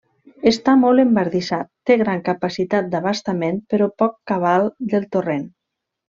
Està molt embardissat, té gran capacitat d'abastament però poc cabal del torrent.